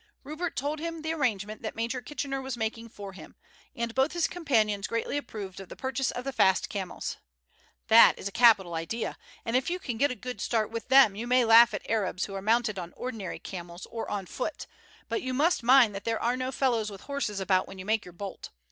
Rupert told him the arrangements that Major Kitchener was making for him, and both his companions greatly approved of the purchase of the fast camels. "That is a capital idea, and if you can get a good start with them you may laugh at Arabs who are mounted on ordinary camels or on foot; but you must mind that there are no fellows with horses about when you make your bolt.